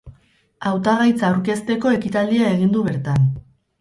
Hautagaitza aurkezteko ekitaldia egin du bertan.